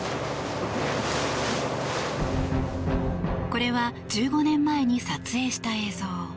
これは１５年前に撮影した映像。